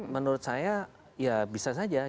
menurut saya ya bisa saja